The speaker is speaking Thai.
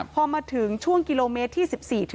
พอมาถึงช่วงกิโลเมตรที่๑๔